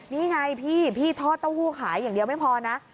นี่ไงพี่พี่ทอดเต้าหู้ขายอย่างเดียวไม่พอนะ